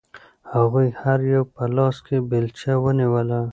هغوی هر یو په لاس کې بیلچه ونیوله.